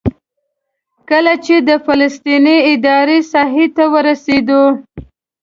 کله چې د فلسطیني ادارې ساحې ته ورسېدو.